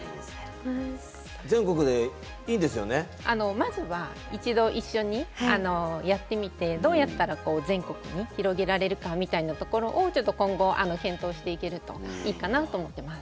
まずは一度一緒にやってみてどうやったら全国に広げられるかみたいなところをちょっと今後検討していけるといいかなと思ってます。